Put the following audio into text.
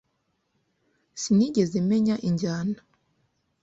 Sinigeze menya injyana.